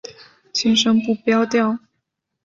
轻声不标调。